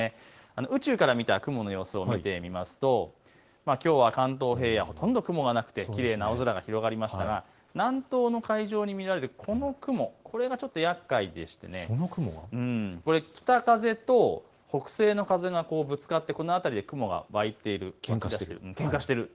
宇宙から見た雲の様子を見てみますときょうは関東平野、ほとんど雲がなくてきれいな青空が広がりましたが南東の海上に見られるこの雲、これがちょっとやっかいでして、北風と北西の風がぶつかってこの辺りが雲が湧いている、けんかしている。